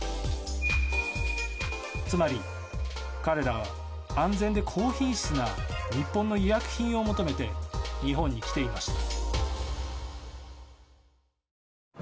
つまり彼らは安全で高品質な日本の医薬品を求めて日本に来ていました。